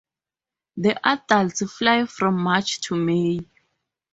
The adults fly from March to May.